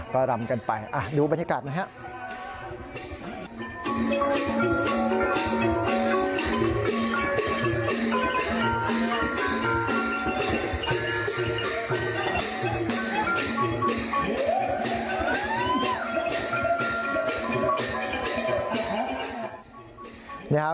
ก็รำกันไปดูบรรยากาศนะฮะ